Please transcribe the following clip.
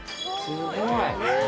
すごい。